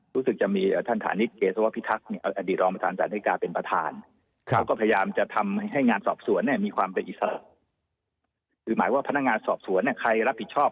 รู้สึกมีด้วยท่านฐานิกเกสวพิทักษ์